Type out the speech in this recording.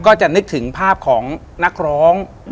ก็จะนึกถึงภาพของนักร้อง